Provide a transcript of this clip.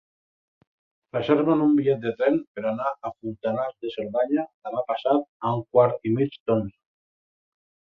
Reserva'm un bitllet de tren per anar a Fontanals de Cerdanya demà passat a un quart i mig d'onze.